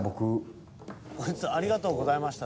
こいつ「ありがとうございました」